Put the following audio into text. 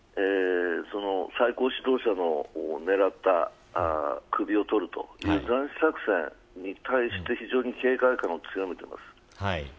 最高指導者の首を取るという斬首作戦に対して非常に警戒感を強めていると思います。